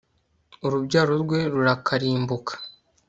urubyaro rwe rurakarimbuka